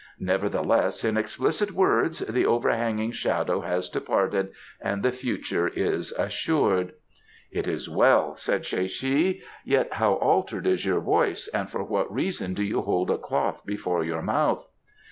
"Nevertheless, in explicit words, the overhanging shadow has departed and the future is assured." "It is well," said Tsae che. "Yet how altered is your voice, and for what reason do you hold a cloth before your mouth?"